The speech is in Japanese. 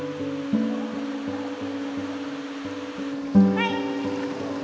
はい！